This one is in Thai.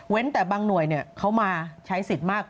แต่บางหน่วยเขามาใช้สิทธิ์มาก